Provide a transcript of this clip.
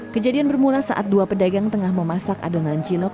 kejadian bermula saat dua pedagang tengah memasak adonan cilok